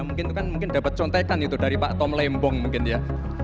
mungkin dapat contekan itu dari pak tom lembong mungkin ya